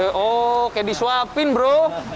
oh kayak disuapin bro